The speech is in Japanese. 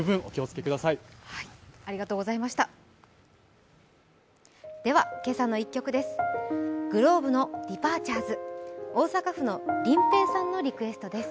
「けさの１曲」です。